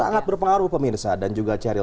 sangat berpengaruh pemirsa dan juga ceria